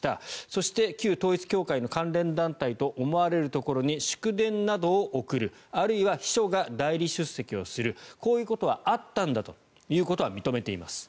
そして、旧統一教会の関連団体と思われるところに祝電などを送るあるいは秘書が代理出席するこういうことはあったんだということは認めています。